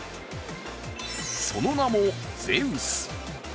その名もゼウス。